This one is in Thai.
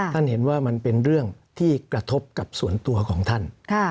ท่านเห็นว่ามันเป็นเรื่องที่กระทบกับส่วนตัวของท่าน